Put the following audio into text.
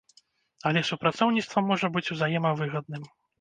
Але супрацоўніцтва можа быць узаемавыгадным.